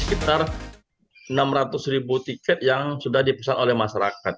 sekitar enam ratus ribu tiket yang sudah dipesan oleh masyarakat